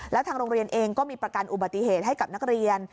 แล้วทางโรงเรียนเองก็มีประกันอุบัติเหตุให้กับนักเรียน